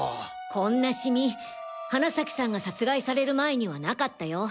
こんなシミ花崎さんが殺害される前にはなかったよ。